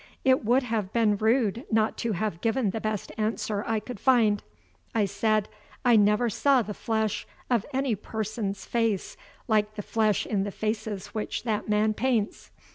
It would have been rude not to have given the best answer I could find. I said: "I never saw the flesh of any person's face like the flesh in the faces which that man paints.